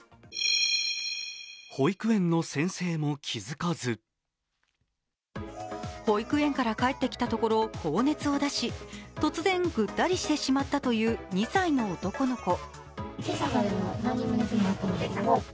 保育園から帰ってきたところ高熱を出し突然ぐったりしてしまったという２歳の男の子。